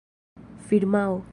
firmao